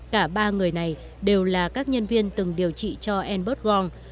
cả ba người này đều là các nhân viên từng điều trị cho albert wong